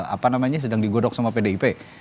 apa namanya sedang digodok sama pdip